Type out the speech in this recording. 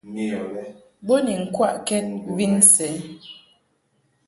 Bo ni ŋkwaʼkɛd vin sɛ.